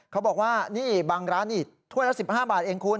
เขาบอกว่านี่บางร้านนี่ถ้วยละ๑๕บาทเองคุณ